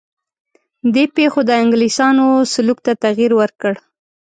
دې پېښو د انګلیسیانو سلوک ته تغییر ورکړ.